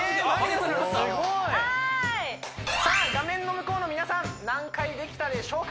すごい！さあ画面の向こうの皆さん何回できたでしょうか？